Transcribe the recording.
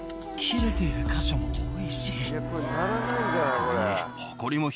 それに。